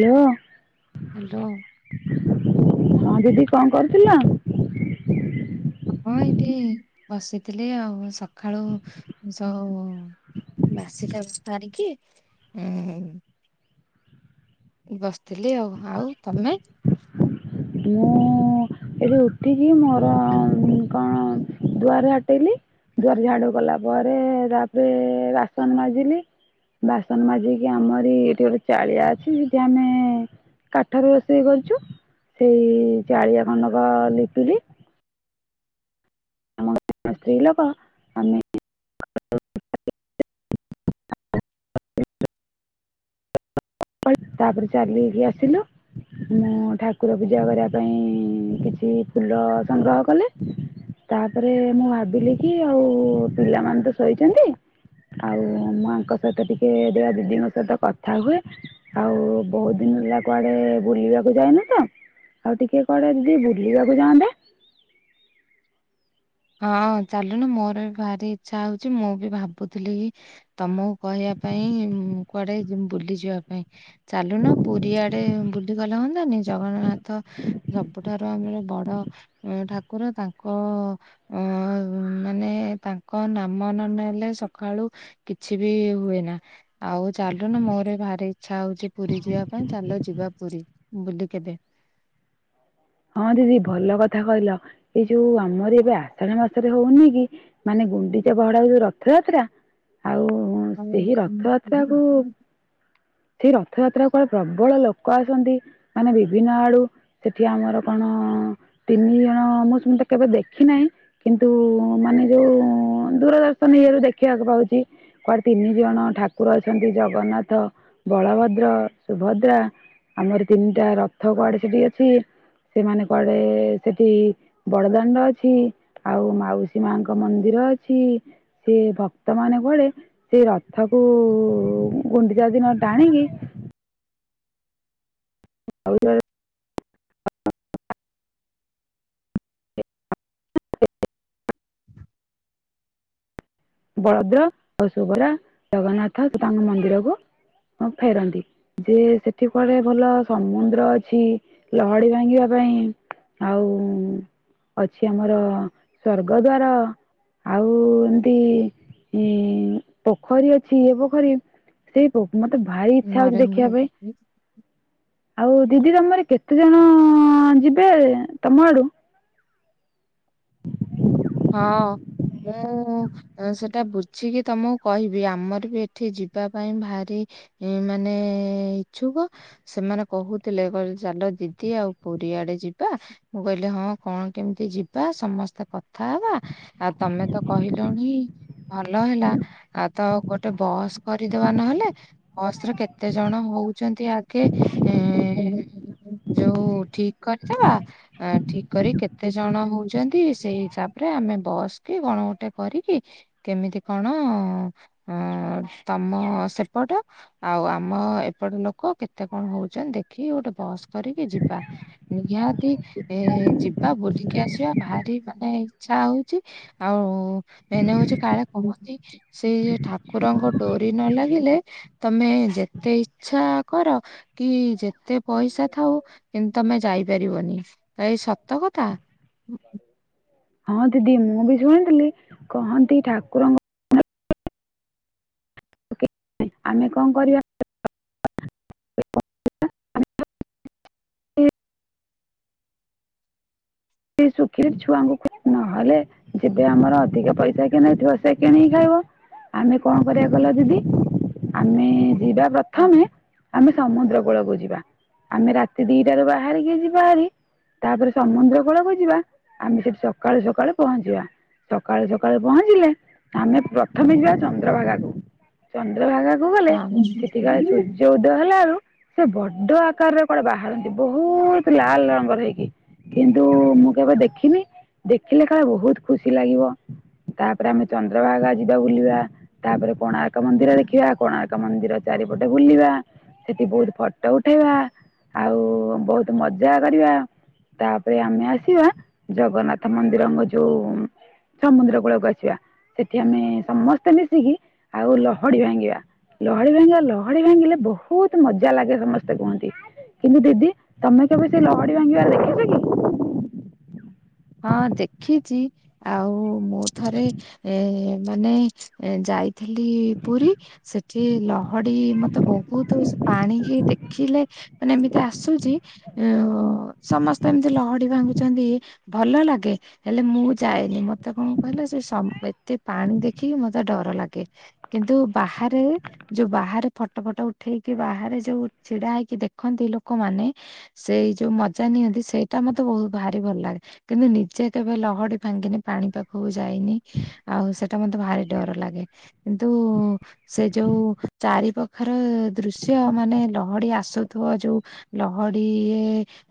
Hello. Hello. ହଁ ଦିଦି କଣ କରୁଥିଲ। ହଁ ଏଇଠି ବସିଥିଲି ଆଉ ସକାଳୁ ଯଉ। ବାସିିକାମ ସାରିକି ହଁ ବସିଥିଲି ଆଉ ଆଉ ତମେ? ମୁଁ। ଏବେ ଉଠିକି ମୋର କଣ ଦୁଆର ଝାଟେଇଲି। ଦୁଆର ଝାଡୁ କଲା ପରେ ତାପରେ ବାସନ ମାଜିଲି। ବାସନ ମାଜିକି ଆମର ଏଠି ଗୋଟେ ଚାଳିଆ ଅଛି ସେଠି ଆମେ କାଠରେ ରୋଷେଇ କରୁଛୁ। ସେଇ ଚାଳିଆ ଖଣ୍ଡକ ଲିପିଲି। ଆମେ ସ୍ତ୍ରୀ ଲୋକ ଆମେ ତାପରେ ଚାଲିକି ଆସିଲୁ। ମୁଁ ଠାକୁର ପୂଜା କରିବା ପାଇଁ କିଛି ଫୁଲ ସଂଗ୍ରହ କଲି। ତାପରେ ମୁଁ ଭାବିଲି କି ଆଉ ପିଲାମାନେ ତ ଶୋଇଛନ୍ତି ଆଉ ମୁଁ ଆଙ୍କ ସହିତ ଟିକେ ଦିଦିଙ୍କ ସହିତ କଥା ହୁଏ। ଆଉ ବହୁତ ଦିନ ହେଲା କୁଆଡେ ବୁଲିବାକୁ ଯାଇନ ତ? ଆଉ ଟିକେ କୁଆଡ଼େ ଦିଦି ବୁଲିବାକୁ ଯାଆନ୍ତେ? ହଁ ଚାଲୁନୁ ମୋର ବି ଭାରି ଇଛା ହଉଛି ମୁଁ ବି ଭାବୁଥିଲି କି! ତମକୁ କହିବା ପାଇଁ କୁଆଡେ ବୁଲି ଯିବା ପାଇଁ। ଚାଲୁନ ପୁରୀ ଆଡେ ବୁଲିଗଲେ ହୁନ୍ତାନି ଜଗନ୍ନାଥ। ସବୁଠାରୁ ଆମର ବଡ ଅଁ ଠାକୁର ତାଙ୍କ। ଅ, [inaudible] ମାନେ ତାଙ୍କ ନାମ ନ ନେଲେ ସକାଳୁ କିଛି ବି ହୁଏ ନା। ଆଉ ଚାଲୁନ ମୋର ଭାରି ଇଚ୍ଛା ହଉଛି ପୁରୀ ଯିବା ପାଇଁ ଚାଲ ଯିବା ପୁରୀ। ବୁଲି କେବେ। ହଁ ଦିଦି ଭଲ କଥା କହିଲ ଏଇ ଯୋଉ ଆମର ଏବେ ଆଷାଢ ମାସରେ ହଉନି କି। ମାନେ ଗୁଣ୍ଡିଚା ବାହୁଡା ହଉ ଯୋଉ ରଥଯାତ୍ରା। ଆଉ ସେହି ରଥଯାତ୍ରା କୁ। ସେଇ ରଥଯାତ୍ରା କୁ ପ୍ରବଳ ଲୋକ ଆସନ୍ତି ମାନେ ବିଭିନ୍ନ ଆଡୁ। ସେଠି ଆମର କଣ ତିନି ଜଣ ମୁଁ ଶୁଣି ତ କେବେ ଦେଖି ନାହିଁ। କିନ୍ତୁ ମାନେ ଯୋଉ ଦୂରଦର୍ଶନ ଇଏ ରେ ଦେଖିବାକୁ ପାଉଛି। କୁଆଡ଼େ ତିନି ଜଣ ଠାକୁର ଅଛନ୍ତି ଜଗନ୍ନାଥ ବଳଭଦ୍ର ସୁଭଦ୍ରା। ଆମର ତିନିଟା ରଥ କୁଆଡେ ସେଠି ଅଛି। ସେମାନେ କୁଆଡେ ସେଠି ବଡଦାଣ୍ଡ ଅଛି। ଆଉ ମାଉସୀ ମାଙ୍କ ମନ୍ଦିର ଅଛି ସେ ଭକ୍ତ ମାନେ କୁଆଡ଼େ ସେଇ ରଥକୁ ଗୁଣ୍ଡିଚା ଦିନ ଟାଣିକି। ହଉ ତାହେଲେ। ବଳଦ୍ର ଆଉ ସୁବରା ଜଗନ୍ନାଥ ତାଙ୍କ ମନ୍ଦିରକୁ ଫେରନ୍ତି। ଯେ ସେଠି କୁଆଡେ ଭଲ ସମୁଦ୍ର ଅଛି। ଲହଡି ଭାଙ୍ଗିବା ପାଇଁ। ଆଉ। ଅଛି ଆମର ସ୍ୱର୍ଗଦ୍ୱାର ଆଉ। ଟି ଇ ପୋଖରୀ ଅଛି ଏ ପୋଖରୀ। ସେଇ ପୋପ ମତେ ଭାରି ଇଚ୍ଛା ହଉଛି ଦେଖିବା ନରେନ୍ଦ୍ର ପାଇଁ ଆଉ ଦିଦି ତମର କେତେ କେତେଜଣ ଯିବେ ତମ ଆଡୁ। ହଁ ମୁଁ। ସେଟା ବୁଝିକି ତମକୁ କହିବି। ଆମର ବି ଏଠି ଯିବା ପାଇଁ ଭାରି ଏମାନେ ଇଛୁକ। ସେମାନେ କହୁଥିଲେ କହିଲେ ଚାଲ ଦିଦି ଆଉ ପୁରୀ ଆଡେ ଯିବା। ମୁଁ କହିଲି ହଁ କଣ କେମିତି ଯିବା ସମସ୍ତେ କଥା କଥା ହେବା ଆଉ ତମେ ତ କହିଲଣି। ଭଲ ହେଲା ଆଉ ତ ଗୋଟେ ବସ୍ କରିଦବା ନହେଲେ। ବସରେ କେତେ ଜଣ ହଉଛନ୍ତି ଆଗେ। ହୁଁ ଯୋଉ ଠିକ କରିଦବା। ଆ ଠିକ କରି କେତେ ଜଣ ହଉଛନ୍ତି ସେଇ ତାପରେ ଆମେ ବସକି ଗଣ ଗୋଟେ କରିକି କେମିତି କଣ ଅଁ ତମ ସେପଟ ଆଉ ଆମ ଏପଟେ ଲୋକ କେତେ କଣ ହଉଛନ୍ତି ଦେଖିକି ଗୋଟେ ବସ୍ କରିକି ଯିବା। ନିହାତି ଏ ଯିବା ବୁଲିକି ଆସିବା ଭାରିବା ଏଁ ଇଛା ହଉଛି ଆଉ ଏନେ ହଉଛି କାଳେ କହୁ। ସେଇ ଯିଏ ଠାକୁରଙ୍କ ଡୋରି ନ ଲାଗିଲେ ତମେ ଯେତେ ଇଚ୍ଛା କର କି ଯେତେ। ପଇସା ଥାଉ କିନ୍ତୁ ତମେ ଯାଇପାରିବନି ତ ଏଇ ସତ କଥା। ହଁ ଦିଦି ମୁଁ ବି ଶୁଣିଥିଲି କହନ୍ତି ଠାକୁରଙ୍କ। ଆମେ କଣ କରିବା। ସେ ଶୁଖ ଛୁଆଙ୍କୁ ନହେଲେ। ଯେବେ ଆମର ଅଧିକ ପଇସା କିଣେଇଥିବ ସେ କିଣିକି ଖାଇବ। ଆମେ କଣ କରିବା କହିଲ ଦିଦି ଆମେ ଯିବା ହଁ ପ୍ରଥମେ ଆମେ ସମୁଦ୍ରକୁ। ଳକୁ ଯିବା ଆମେ ରାତି ଦିଟାରୁ ବାହାରିକି ଯିବା ହେରି ତାପରେ ସମୁଦ୍ର। କୂଳକୁ ଯିବା ଆମେ ସେଠି ସକାଳୁ ସକାଳୁ ପହଞ୍ଚିବା। ସକାଳୁ ସକାଳୁ ପହଞ୍ଚିଲେ ଆମେ ପ୍ରଥମେ ଯିବା ଚନ୍ଦ୍ରଭାଗା କୁ ଚନ୍ଦ୍ରଭାଗା। ଗଲେ ସେଠିକାଳେ ହଁ। ସୂର୍ଯ୍ୟ ଉଦୟ ହେଲାରୁ। ସେ ବଡ ଆକାରରେ କୁଆଡେ ବାହାରନ୍ତି ବହୁତ ଲାଲ ରଙ୍ଗର ହେଇକି। କିନ୍ତୁ ମୁଁ କେବେ ଦେଖିନି ଦେଖିଲେ କାଳେ ବହୁତ ଖୁସି ଲାଗିବ। ତାପରେ ଆମେ ଚନ୍ଦ୍ରଭାଗା ଯିବା ବୁଲିବା। ତାପରେ କୋଣାର୍କ ମନ୍ଦିର ଦେଖିବା କୋଣାର୍କ ମନ୍ଦିର ଚାରିପଟେ ବୁଲିବା। ସେଠି ବହୁତ ଫଟୋ ଉଠେଇବା ଆଉ ବହୁତ ମଜା କରିବା। ରେ ଆମେ ଆସିବା ଜଗନ୍ନାଥ ମନ୍ଦିରଙ୍କ ଯୋଉ। ସମୁଦ୍ର କୂଳକୁ ଆସିବା ସେଠି ଆମେ ସମସ୍ତେ ମିଶିକି ଆଉ ଲହଡି ଭାଙ୍ଗିବା। ଲହଡି ଭାଙ୍ଗିବା ଲହଡି ଭାଙ୍ଗିଲେ ବହୁତ ମଜା ଲାଗେ ସମସ୍ତେ କୁହନ୍ତି। କିନ୍ତୁ ଦିଦି ତମେ କେବେ ସେଇ ଲହଡି ଭାଙ୍ଗିବା ଦେଖିଛ କି? ହଁ ଦେଖିଛି ଆଉ ମୁଁ ଥରେ ଏ। ମାନେ ଯାଇଥିଲି ପୁରୀ ସେଠି ଲହଡି ମତେ ବହୁତ। ବହୁତ ସେ ପାଣିିକି ଦେଖିଲେ। ମାନେ ଏମିତି ଆସୁଛି ଆ ସମସ୍ତେ ଏମତି ଲହଡି ଭାଙ୍ଗୁଛନ୍ତି। ଭଲ ଲାଗେ। ହେଲେ ମୁଁ ଯାଏନି ମତେ କଣ କହିଲ ସେ ଏତେ ପାଣି ଦେଖିକି ମତେ ଡର ଲାଗେ। କିନ୍ତୁ ବାହାରେ ଯୋଉ ବାହାରେ ଫଟୋ ଫଟ ଉଠେଇକି ବାହାରେ ଯୋଉ ଛିଡା ହେଇକି ଦେଖନ୍ତି ଲୋକମାନେ। ସେଇ ଯୋଉ ମଜା ନିଅନ୍ତି ସେଇଟା ମତେ ବହୁତ ଭାରି ଭଲ ଲାଗେ। କିନ୍ତୁ ନିଜେ କେବେ ଲହଡି ଭାଙ୍ଗିନି ପାଣି ପାଖକୁ ଯାଇନି ଆଉ ସେଇଟା ମତେ ଭାରି ଡର ଲାଗେ। କିନ୍ତୁ। ସେ ଯୋଉ ଚାରିପାଖର ଦୃଶ୍ୟ ମାନେ ଲହଡି ଆସୁଥିବ ଯୋଉ। ଲହଡି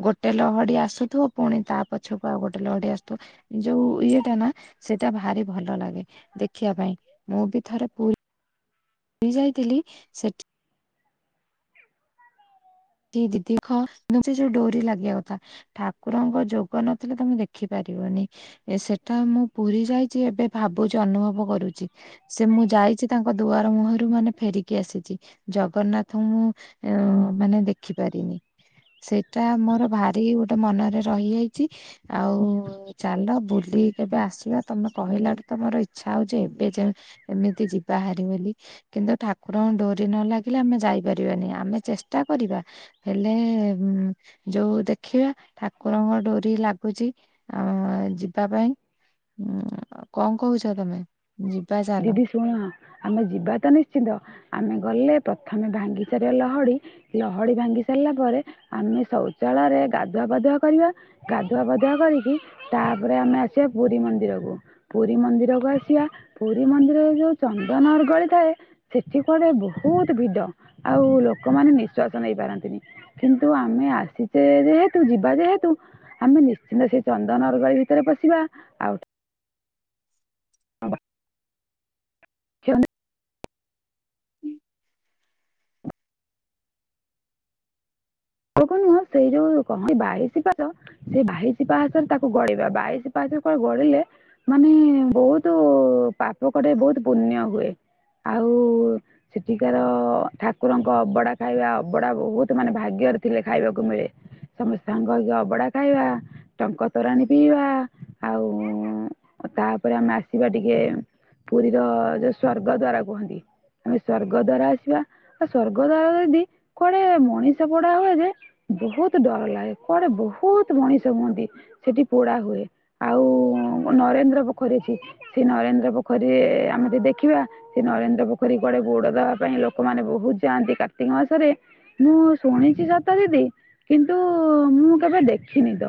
ଗୋଟେ ଲହଡି ଆସୁଥିବ ପୁଣି ତା ପଛକୁ ଆଉ ଗୋଟେ ଲହଡି ଆସୁଥିବ। ଯୋଉ ଇଏଟା ନା ସେଇଟା ଭାରି ଭଲ ଲାଗେ ଦେଖିବା ପାଇଁ ମୁଁ ବି ଥରେ ପୁରା। ରୀ ଯାଇଥିଲି ସେଠି। କି ଦିଦିଖ ମୁ ସେ ଯୋଉ ଡୋରି ଲାଗିବା କଥା। ଠାକୁରଙ୍କ ଯୋଗ ନଥିଲେ ତମେ ଦେଖିପାରିବନି। ଏ ସେଟା ମୁଁ ପୁରୀ ଯାଇଛି ଏବେ ଭାବୁଛି ଅନୁଭବ କରୁଛି। ସେ ମୁଁ ଯାଇଛି ତାଙ୍କ ଦୁଆର ମୁହଁରୁ ମାନେ ଫେରିକି ଆସିଛି। ଜଗନ୍ନାଥ ମୁଁ ଅ ମାନେ ଦେଖିପାରିନି। ସେଇଟା ମୋର ଭାରି ଗୋଟେ ମନରେ ରହିଯାଇଛି ଆଉ। ଚାଲ ବୁଲି କେବେ ଆସିବା ତମେ କହିଲାଠୁ ତ ମୋର ଇଚ୍ଛା ହଉଛି ଏବେ ଯେ। ଏମିତି ଯିବା ହାରି ବୋଲି। କିନ୍ତୁ ଠାକୁରଙ୍କ ଡୋରି ନ ଲାଗିଲେ ଆମେ ଯାଇପାରିବାନି ଆମେ ଚେଷ୍ଟା କରିବା। ହେଲେ ଯୋଉ ଦେଖିବା ଠାକୁରଙ୍କ ଡୋରି ଲାଗୁଛି। ଆ ଯିବା ପାଇଁ କଣ କହୁଛ ତମେ ଯିବା ଚାଲ? ଦିଦି ଶୁଣ ଆମେ ଯିବା ତ ନିଶ୍ଚିନ୍ତ ଆମେ ଗଲେ ପ୍ରଥମେ ଭାଙ୍ଗିସାରିବା ଲହଡ଼ି। ଲହଡ଼ି ଭାଙ୍ଗି ସାରିଲା ପରେ ଆମେ ଶୌଚାଳୟରେ ଗାଧୁଆ ପାଧୁଆ କରିବା। ଗାଧୁଆ ପାଧୁଆ କରିକି ତାପରେ ଆମେ ଆସିବା ପୁରୀ ମନ୍ଦିରକୁ। ପୁରୀ ମନ୍ଦିରକୁ ଆସିବା ପୁରୀ ମନ୍ଦିରରେ ଯୋଉ ଚନ୍ଦନ ଅରଗଳି ଥାଏ ସେଠି କୁଆଡ଼େ ବହୁତ ଭିଡ ଆଉ ଲୋକମାନେ ନିଃଶ୍ଵାସ ନେଇ ପାରନ୍ତିନି। କିନ୍ତୁ ଆମେ ଆସିଛେ ଯେହେତୁ ଯିବା ଯେହେତୁ ଆମେ ନିଶ୍ଚିନ୍ତ ସେଇ ଚନ୍ଦନ ଅରଗଳି ଭିତରେ ପଶିବା ଆଉ [unintelligible] [unintelligible] [unintelligible] ନୁହଁ ସେଇ ଯୋଉ କଣ ବାଇସି ପାଦ। ସେ ବାହିଶି ପାହାଚରେ ତାକୁ ଗଡ଼େଇବା ବାଇଶି ପାହାଚରେ ତାକୁ ଗଡ଼ିଲେ ମାନେ ବହୁତୁ ପାପ କଟେ ବହୁତ ପୁଣ୍ୟ ହୁଏ ଆଉ ସେଠିକାର ଠାକୁରଙ୍କ ଅବଢ଼ା ଖାଇବା ଅବଢ଼ା ବହୁତ ମାନେ ଭାଗ୍ୟରେ ଥିଲେ ଖାଇବାକୁ ମିଳେ ସମସ୍ତେ ସାଙ୍ଗ ହେଇକି ଅବଢ଼ା ଖାଇବା। ଟଙ୍କ ତୋରାଣି ପିଇବା ଆଉ ତାପରେ ଆମେ ଆସିବା ଟିକେ ପୁରୀର ଯୋଉ ସ୍ଵର୍ଗଦ୍ଵାର କୁହନ୍ତି। ଆମେ ସ୍ଵର୍ଗଦ୍ୱାର ଆସିବା ଆଉ ସ୍ଵର୍ଗ ଦ୍ୱାର ଯଦି କୁଆଡ଼େ ମଣିଷ ପ ପୋଡ଼ା ହୁଏ ଯେ ବହୁତ ଡର ଲାଗେ କୁଆଡ଼େ ବହୁତ ମଣିଷ ହୁଅନ୍ତି। ସେଠି ପୋଡ଼ା ହୁଏ ଆଉ ନରେନ୍ଦ୍ର ପୋଖରୀ ଅଛି। ସେ ନରେନ୍ଦ୍ର ପୋଖରୀରେ ଆମେ ଯଦି ଦେଖିବା। ସେ ନରେନ୍ଦ୍ର ପୋଖରୀ କୁଆଡ଼େ ବୁଡ଼ ଦବା ପାଇଁ ଲୋକମାନେ ବହୁତ ଯାଆନ୍ତି କାର୍ତ୍ତିକ ମାସରେ ମୁଁ ଶୁଣିଛି ସତ ଦିଦି କିନ୍ତୁ ମୁଁ କେବେ ଦେଖିନି ତ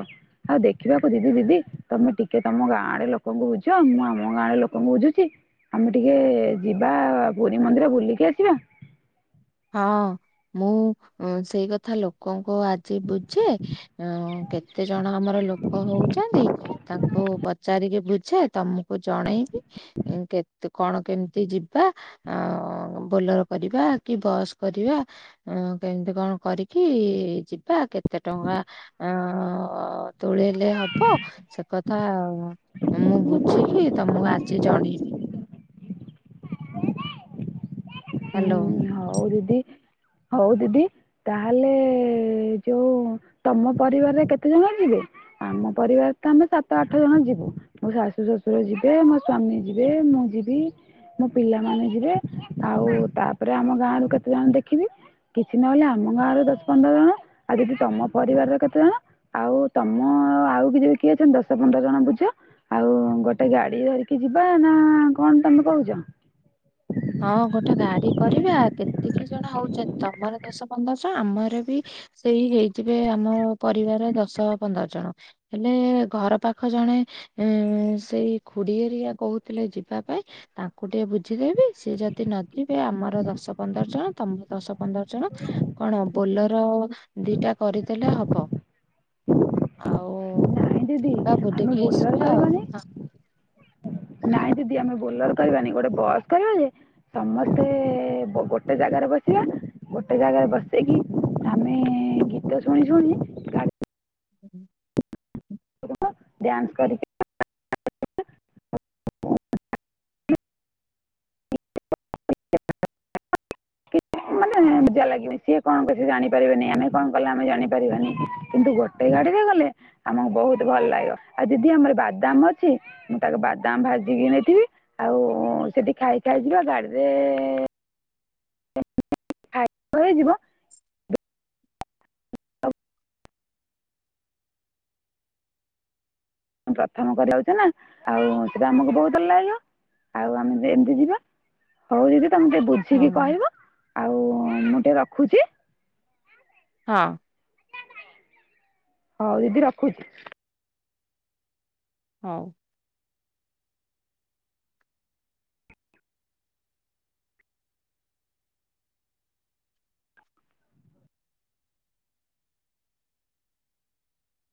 ଆଉ ଦେଖିବାକୁ ଯିବି ଦିଦି। ତମେ ଟିକେ ତମ ଗାଁ ଆଡ଼େ ଲୋକଙ୍କୁ ବୁଝ ମୁଁ ଆମ ଗାଁ ଆଡ଼େ ଲୋକଙ୍କୁ ବୁଝୁଛି। ଆମେ ଟିକେ ଯିବା ପୁରୀ ମନ୍ଦିର ବୁଲିକି ଆସିବା। ହଁ ମୁଁ ସେଇ କଥା ଲୋକଙ୍କୁ ଆଜି ବୁଝେ ଅ କେତେ ଜଣ ଆମର ଲୋକ ହଉଛନ୍ତି। ତାଙ୍କୁ ପଚାରିକି ବୁଝେ ତମକୁ ଜଣେଇବି। କେତ କଣ କେମିତି ଯିବା ଆ ବୋଲର କରିବା। କି ବସ୍ କରିବା କେମିତି କଣ କରିକି ଯିବା କେତେ ଟଙ୍କା? ଅ ତୋଳେଇଲେ ହବ ସେ କଥା ଆଉ। ମୁଁ ବୁଝିକି ତମକୁ ଆଜି ଜଣେଇବି। ହ୍ୟାଲୋ। ହୁଁ ହଉ ଦିଦି ହଉ ଦିଦି। ତାହେଲେ ଯୋଉ ତମ ପରିବାରରେ କେତେ ଜଣ ଯିବେ? ଆମ ପରିବାର ତ ଆମେ ସାତ ଆଠ ଜଣ ଯିବୁ ମୋ ଶାଶୁ ଶ୍ୱଶୁର ଯିବେ ମୋ ସ୍ଵାମୀ ଯିବେ ମୁଁ ଯିବି ମୋ ପିଲାମାନେ ଯିବେ। ଆଉ ତାପରେ ଆମ ଗାଁ ରୁ କେତେ ଜଣ ଦେଖିବି? କିଛି ନହେଲେ ଆମ ଗାଁର ଦଶ ପନ୍ଦର ଜଣ ଆଉ ଯଦି ତମ ପରିବାରର କେତେ ଜଣ? ଆଉ ତମ ଆଉ କି ଯଦି କିଏ ଅଛନ୍ତି ଦଶ ପନ୍ଦର ଜଣ ବୁଝ? ଆଉ ଗୋଟେ ଗାଡ଼ି ଧରିକି ଯିବା ନା କଣ ତମେ କହୁଛ? ହଁ ଗୋଟେ ଗାଡ଼ି କରିବା କେତିକି ଜଣ ହଉଛନ୍ତି ତମର ଦଶ ପନ୍ଦର ଜଣ ଆମର ବି ସେଇ ହେଇଥିବେ ଆମ ପରିବାର ର ଦଶ ପନ୍ଦର ଜଣ। ହେଲେ ଘର ପାଖ ଜଣେ ହୁଁ ସେଇ ଖୁଡ଼ି ହେରିକା କହୁଥିଲେ ଯିବା ପାଇଁ ତାଙ୍କୁ ଟିକେ ବୁଝିଦେବି? ସିଏ ଯଦି ନ ଯିବେ ଆମର ଦଶ ପନ୍ଦର ଜଣ ତମର ଦଶ ପନ୍ଦର ଜଣ। କଣ ବୋଲର ଦିଟା କରିଦେଲେ ହବ। ଆଉ ନାଇଁ ଦିଦି ଯିବା ଆମେ ବୁଲିକି ବୋଲର ଆସିବା ଆଉ କରିବାନି ନାଇଁ ଦିଦି ଆମେ ବୋଲେର କରିବାନି ଗୋଟେ ବସ୍ କରିବା ଯେ ସମସ୍ତେ ଗୋଟେ ଜାଗାରେ ବସିବା। ଗୋଟେ ଜାଗାରେ ବସିକି ଆମେ ଗୀତ ଶୁଣି ଶୁଣି ଗାଡି [unintelligible] [inaudible] ଡ୍ୟାନ୍ସ କରିକି [inaudible] କିଛି ମାନେ। ମଜା ଲାଗିବନି ସିଏ କଣ କଲେ ସେ ଜାଣିପାରିବାନି ଆମେ କଣ କଲେ ଆମେ ଜାଣିପାରିବାନି କିନ୍ତୁ ଗୋଟେ ଗାଡିରେ ଗଲେ ଆମକୁ ବହୁତ ଭଲ ଲାଗିବ ଆଉ ଦିଦି ଆମର ବାଦାମ ଅଛି। ମୁଁ ତାକୁ ବାଦାମ ଭାଜିକି ନେଇଥିବି ଆଉ ସେଠି ଖାଇ ଖାଇଯିବା ଗାଡିରେ [inaudible] ହେଇଯିବ। ପ୍ରଥମ କରିଯାଉଛେ ନା ଆଉ ସେଟା ଆମକୁ ବହୁତ ଭଲ ଲାଗିବ ଆଉ ଆମେ ଏମିତି ଯିବା ହଉ ଦିଦି ତମେ ଟିକେ ହଁ ବୁଝିକି କହିବ ଆଉ ମୁଁ ଟିକେ ରଖୁଛି। ହଁ। ହଉ ଦିଦି ରଖୁଛି। ହଉ।